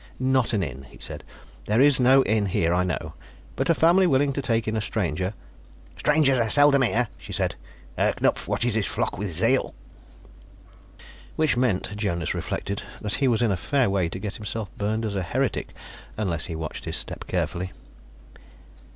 "Not an inn," he said. "There is no inn here, I know. But a family willing to take in a stranger " "Strangers are seldom here," she said. "Herr Knupf watches his flock with zeal." Which meant, Jonas reflected, that he was in a fair way to get himself burned as a heretic unless he watched his step carefully.